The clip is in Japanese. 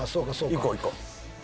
行こう行こう。